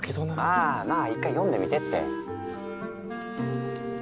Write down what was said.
まあまあ１回読んでみてって。